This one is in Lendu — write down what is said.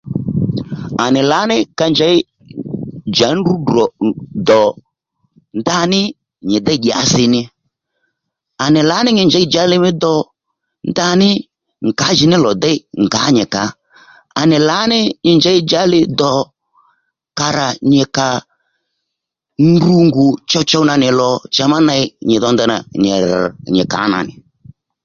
À nì lǎní ka njěy njàddí ndrǔ drò dò ndaní nyì déy dyasi ní. À nì lǎní nyi njěy njàddí li mí do ndaní ngǎjìní lò déy ngǎ nyì kàó. À nì lǎní nyi njěy njàddí li do kàrà nyì kà ndru ngù chowchow nà nì lò cha nyì rà ndanà nyì rr̀ nyì kàó nà nì